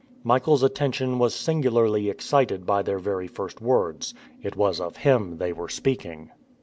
Michael's attention was singularly excited by their very first words. It was of him they were speaking.